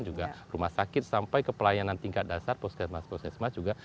juga rumah sakit sampai ke pelayanan tingkat dasar puskesmas puskesmas juga